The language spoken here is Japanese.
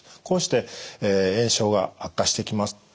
こうして炎症が悪化してきます。